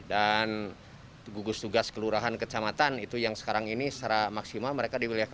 dan gugus tugas kelurahan kecamatan itu yang sekarang ini secara maksimal mereka diwilihakan